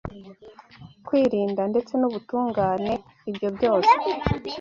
kwirinda ndetse n’ubutungane ibyo byose